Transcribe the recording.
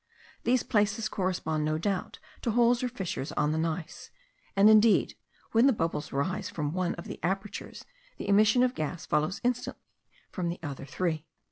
These places correspond no doubt to holes or fissures on the gneiss; and indeed when the bubbles rise from one of the apertures, the emission of gas follows instantly from the other three.